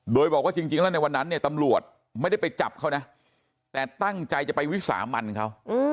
โดยบอกว่าจริงแล้วในวันนั้นเนี่ยตำรวจไม่ได้ไปจับเขานะแต่ตั้งใจจะไปวิสามันเขา